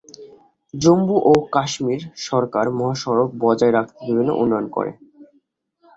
জম্মু ও কাশ্মীর সরকার মহাসড়ক বজায় রাখতে বিভিন্ন উন্নয়ন করে।